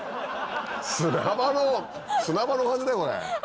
砂場の砂場の感じだよこれ。